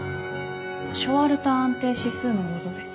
ショワルター安定指数のごどです。